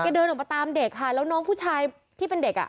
เดินออกมาตามเด็กค่ะแล้วน้องผู้ชายที่เป็นเด็กอ่ะ